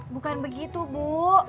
bukan begitu bu